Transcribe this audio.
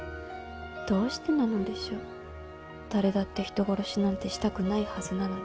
どうしてなのでしょう誰だって人殺しなんてしたくないはずなのに。